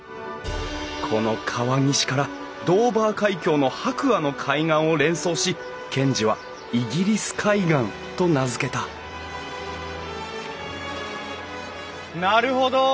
この川岸からドーバー海峡の白亜の海岸を連想し賢治はイギリス海岸と名付けたなるほど。